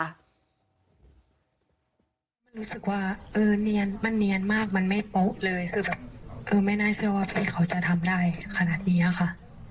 มันรู้สึกว่าเออเนียนมันเนียนมากมันไม่โป๊ะเลยคือแบบคือไม่น่าเชื่อว่าพี่เขาจะทำได้ขนาดนี้ค่ะ